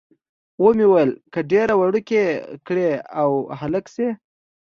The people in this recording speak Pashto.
ومې ویل، که یې ډېره وړوکې کړي او هلک شي.